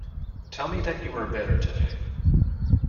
Tell me that you are better today.